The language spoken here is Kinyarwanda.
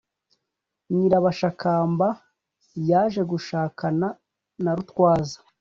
nyirabashakamba yaje gushakana na rutwaza